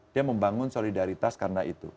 dia membangun solidaritas karena itu